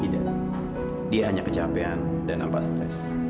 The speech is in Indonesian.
tidak dia hanya kecapean dan nampak stres